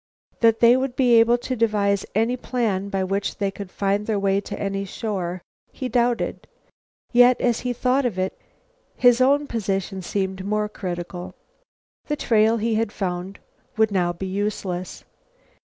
That they would be able to devise any plan by which they could find their way to any shore, he doubted; yet, as he thought of it, his own position seemed more critical. The trail he had found would now be useless.